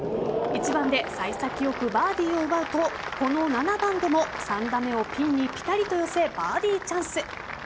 １番で幸先良くバーディーを奪うとこの７番でも３打目をピンにピタリと寄せバーディーチャンス。